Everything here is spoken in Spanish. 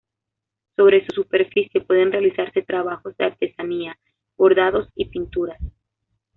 Sobre su superficie pueden realizarse trabajos de artesanía, bordados y pinturas.